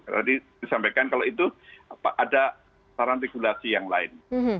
tadi disampaikan kalau itu ada saran regulasi yang lain